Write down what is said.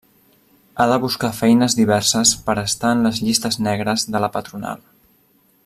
Ha de buscar feines diverses per estar en les llistes negres de la patronal.